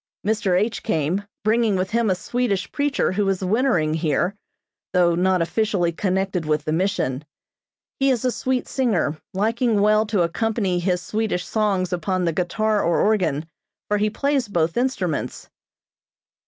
Mr. H. came, bringing with him a Swedish preacher who is wintering here, though not officially connected with the Mission. He is a sweet singer, liking well to accompany his Swedish songs upon the guitar or organ, for he plays both instruments.